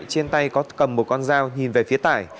trên tay có cầm một con dao nhìn về phía tải